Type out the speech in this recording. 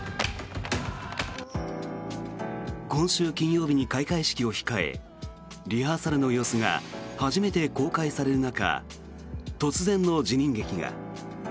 今週金曜日に開会式を控えリハーサルの様子が初めて公開される中突然の辞任劇が。